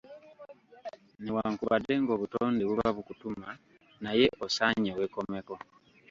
Newankubadde ng'obutonde buba bukutuma naye osaanye weekomeko.